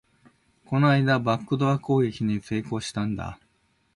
この間、バックドア攻撃に成功したんだ